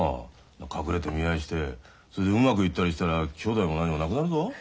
隠れて見合いしてそれでうまくいったりしたら姉妹も何もなくなるぞ。